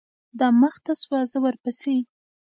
دا مخته سوه زه ورپسې.